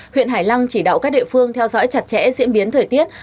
huyện hải lăng chỉ đạo các địa phương theo dõi chặt chẽ diễn biến thời tiết